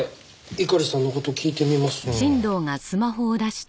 猪狩さんの事聞いてみます。